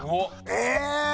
えっ！